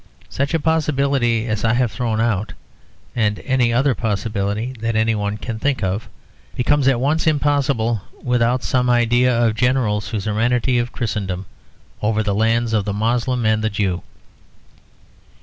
Such a possibility as I have thrown out, and any other possibility that any one can think of, becomes at once impossible without some idea of a general suzerainty of Christendom over the lands of the Moslem and the Jew.